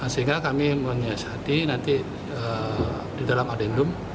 sehingga kami menyiasati nanti di dalam adendum